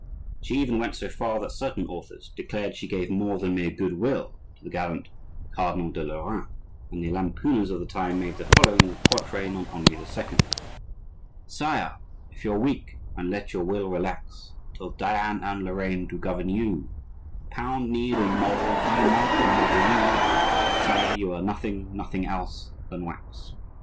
She even went so far that certain authors declared she gave more than mere good will to the gallant Cardinal de Lorraine; and the lampooners of the time made the following quatrain on Henri II: "Sire, if you're weak and let your will relax Till Diane and Lorraine do govern you, Pound, knead and mould, re melt and model you, Sire, you are nothing—nothing else than wax."